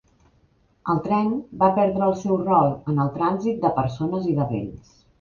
El tren va perdre el seu rol en el trànsit de persones i de béns.